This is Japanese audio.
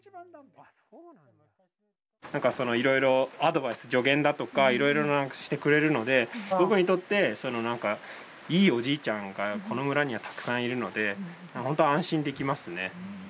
何かいろいろアドバイス助言だとかいろいろしてくれるので僕にとって何かいいおじいちゃんがこの村にはたくさんいるので本当安心できますね。